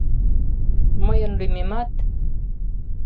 Мыйын лӱмемат...